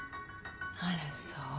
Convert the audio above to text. あらそう。